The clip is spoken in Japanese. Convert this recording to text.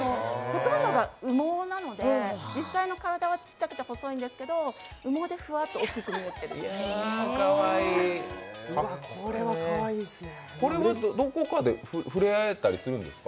ほとんどが羽毛なので、実際の体はちっちゃくて細いんですけど羽毛でフワッと大きく見えてるんです。